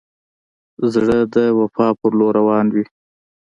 زړه د وفا پر لور روان وي.